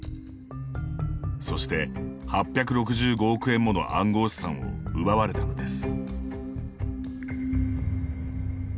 そして、８６５億円もの暗号資産を奪われたのです。